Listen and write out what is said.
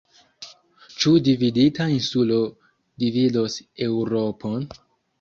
Ĉu dividita insulo dividos Eŭropon?